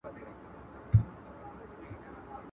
نه منبر سته په دې ښار کي، نه بلال په سترګو وینم.